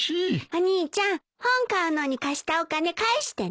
お兄ちゃん本買うのに貸したお金返してね。